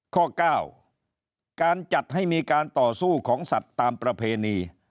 ข้อ๙การจัดให้มีการต่อสู้ของสัตว์ตามประเพณี